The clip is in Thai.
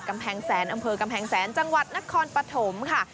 มกำแพงแสนจังหวัดนครปฐมค่ะ